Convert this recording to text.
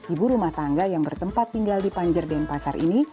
ibu rumah tangga yang bertempat tinggal di panjer denpasar ini